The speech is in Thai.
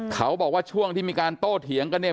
เขาบอกว่าช่วงที่มีการโต้เถียงกันเนี่ย